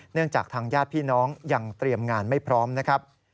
จากทางญาติพี่น้องยังเตรียมงานไม่พร้อมนะครับ